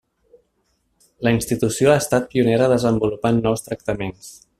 La institució ha estat pionera desenvolupant nous tractaments.